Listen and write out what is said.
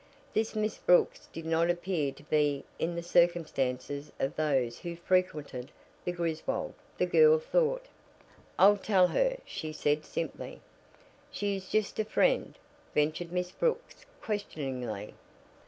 This Miss Brooks did not appear to be in the circumstances of those who frequented the Griswold, the girl thought. "I'll tell her," she said simply. "She is just a friend?" ventured Miss Brooks questioningly.